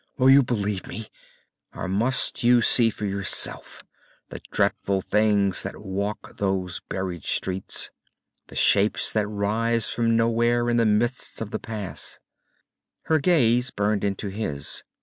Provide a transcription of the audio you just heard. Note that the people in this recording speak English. "Will you believe me, or must you see for yourself the dreadful things that walk those buried streets, the shapes that rise from nowhere in the mists of the pass?" Her gaze burned into his.